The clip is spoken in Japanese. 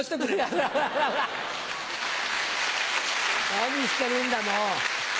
何してるんだもう。